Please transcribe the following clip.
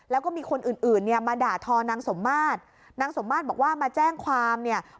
แล้วก็มีคนอื่นอื่นเนี่ยมาด่าทอนางสมมาตรนางสมมาตรบอกว่ามาแจ้งความเนี่ย